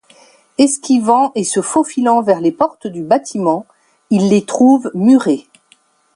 Esquivant et se faufilant vers les portes du bâtiment, ils les trouvent murées.